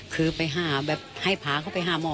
คือไปหาแบบให้พาเขาไปหาหมอ